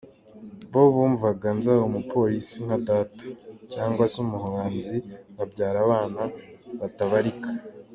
Bo bumvaga nzaba umupolisi nka data, cyangwa se umuhanzi nkabyara abana batabarika.